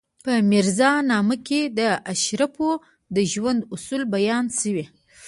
په میرزا نامه کې د اشرافو د ژوند اصول بیان شوي.